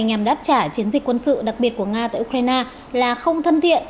nhằm đáp trả chiến dịch quân sự đặc biệt của nga tại ukraine là không thân thiện